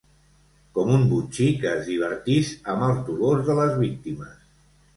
Com un botxí que es divertís amb els dolors de les víctimes.